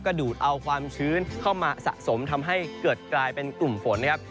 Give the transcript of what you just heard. ก็ดูดเอาความชื้นเข้ามาสะสมทำให้เกิดกลายเป็นกลุ่มฝนนะครับ